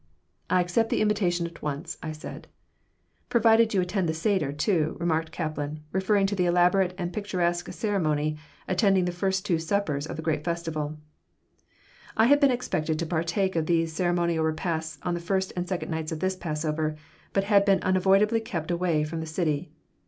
"I accept the invitation at once," I said "Provided you attend the seder, too," remarked Kaplan, referring to the elaborate and picturesque ceremony attending the first two suppers of the great festival I had been expected to partake of those ceremonial repasts on the first and second nights of this Passover, but had been unavoidably kept away from the city.